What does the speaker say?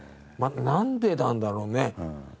なんでなんだろうね？